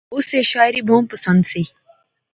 اس ایہہ شاعری بہوں پسند سی